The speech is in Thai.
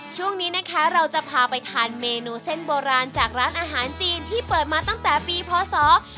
ช่วงนี้นะคะเราจะพาไปทานเมนูเส้นโบราณจากร้านอาหารจีนที่เปิดมาตั้งแต่ปีพศ๒๕๖